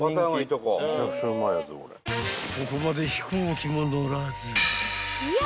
［ここまで飛行機も乗らず］